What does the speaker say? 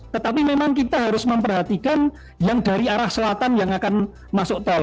tetapi memang kita harus memperhatikan yang dari arah selatan yang akan masuk tol